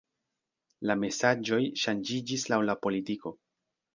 La mesaĝoj ŝanĝiĝis laŭ la politiko.